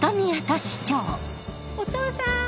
・お父さん！